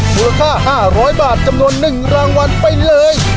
มูลค่า๕๐๐บาทจำนวน๑รางวัลไปเลย